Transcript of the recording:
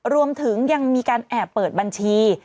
รวมถึงยังมีการแอบเปิดบัญชี